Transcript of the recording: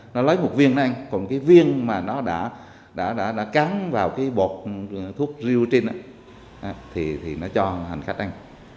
nó lấy một viên này anh còn cái viên mà nó đã cắn vào cái bột thuốc riêu trên đó thì nó cho hành khách anh